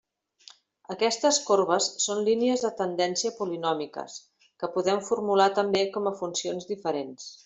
Aquestes corbes són línies de tendència polinòmiques, que podem formular també com a funcions diferents.